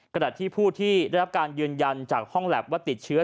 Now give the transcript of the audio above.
ขณะที่ผู้ที่ได้รับการยืนยันจากห้องแล็บว่าติดเชื้อ